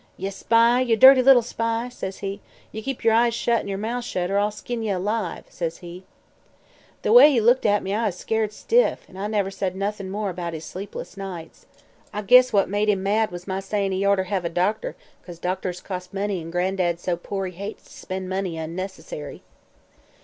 "'Ye spy ye dirty little spy!' says he, 'ye keep yer eyes shut an' yer mouth shut, or I'll skin ye alive!' says he. "The way he looked at me, I was skeered stiff, an' I never said noth'n' more 'bout his sleepin' nights. I guess what made him mad was my sayin' he orter hev a doctor, 'cause doctors cost money an' Gran'dad's so poor he hates t' spend money unnecessary."